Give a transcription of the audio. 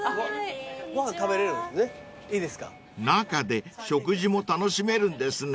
［中で食事も楽しめるんですね］